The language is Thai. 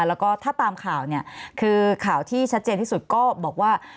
แล้วก็ถ้าตามข่าวเนี่ยคือข่าวที่ชัดเจนที่สุดก็บอกว่า